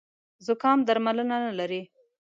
زوکام درملنه نه لري